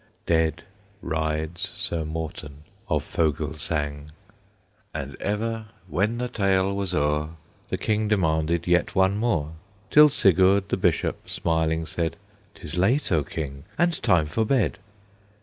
Dead rides Sir Morten of Fogelsang. And ever, when the tale was o'er, The King demanded yet one more; Till Sigurd the Bishop smiling said, "'Tis late, O King, and time for bed."